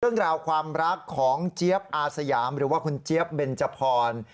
เรื่องราวความรักของเจี๊ยบอาสยามหรือว่าคุณเจี๊ยบเบนจพร